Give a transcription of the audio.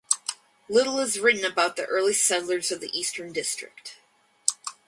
Little is written about the early settlers of the Eastern District.